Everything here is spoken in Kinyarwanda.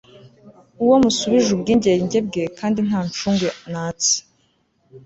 uwo musubije ubwigenge bwe kandi nta ncungu natse